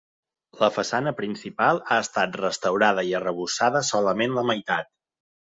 La façana principal ha estat restaurada i arrebossada solament la meitat.